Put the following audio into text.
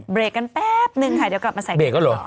เบรกกันแป๊บนึงค่ะเดี๋ยวกลับมาใส่เบรกแล้วเหรอ